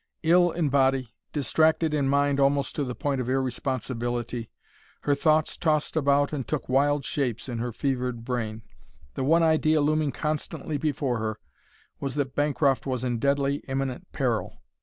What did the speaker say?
Ill in body, distracted in mind almost to the point of irresponsibility, her thoughts tossed about and took wild shapes in her fevered brain. The one idea looming constantly before her was that Bancroft was in deadly, imminent peril.